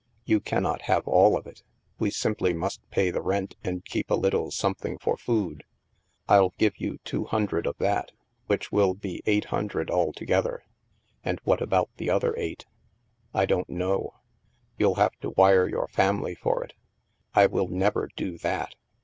" You cannot have all of it. We simply must pay the rent and keep a little something for food. TU give you two hundred of that, which will be eight hundred altogether." " And what about the other eight? "" I don't know." " You'll have to wire your family for it." " I will never do that.